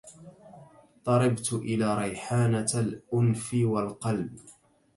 طربت إلى ريحانة الأنف والقلب